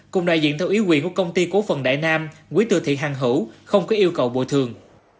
cùng đại diện theo ý quyền của công ty cố phần đại nam quý tư thị hàng hữu không có yêu cầu bồi thường